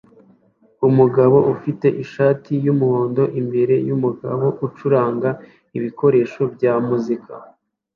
Umugabo ufite ishati yumuhondo imbere yumugabo ucuranga ibikoresho bya muzika